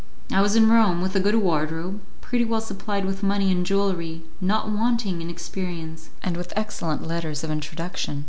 I was in Rome! with a good wardrobe, pretty well supplied with money and jewellery, not wanting in experience, and with excellent letters of introduction.